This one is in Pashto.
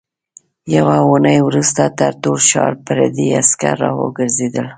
يوه اوونۍ وروسته تر ټول ښار پردي عسکر راوګرځېدل.